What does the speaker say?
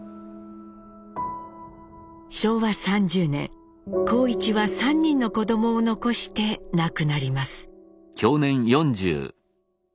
昭和３０年幸一は３人の子どもを残して亡くなります。